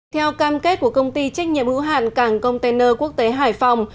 theo cam kết của công ty trách nhiệm hữu hạn cảng container quốc tế hải phòng